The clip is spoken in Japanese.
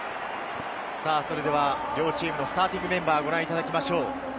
それでは両チームのスターティングメンバーをご覧いただきましょう。